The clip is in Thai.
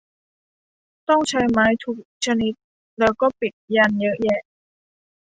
ต้องใช้ไม้ถูกชนิด แล้วก็ปิดยันต์เยอะแยะ